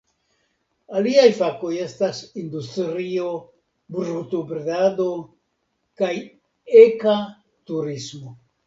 Aliaj fakoj estas industrio, brutobredado kaj eka turismo.